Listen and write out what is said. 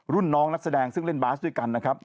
รุ่นน้องนักแสดงซึ่งเล่นบาสด้วยกันนะครับ